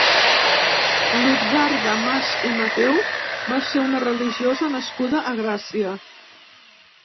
Lutgarda Mas i Mateu va ser una religiosa nascuda a Gràcia.